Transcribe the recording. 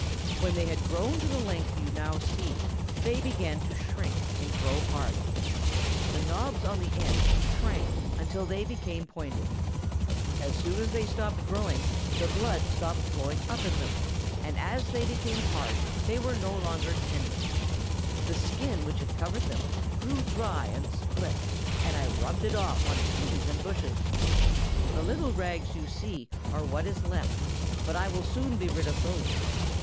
"When they had grown to the length you now see, they began to shrink and grow hard. The knobs on the ends shrank until they became pointed. As soon as they stopped growing the blood stopped flowing up in them, and as they became hard they were no longer tender. The skin which had covered them grew dry and split, and I rubbed it off on trees and bushes. The little rags you see are what is left, but I will soon be rid of those.